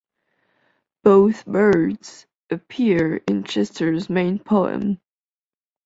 Both birds appear in Chester's main poem.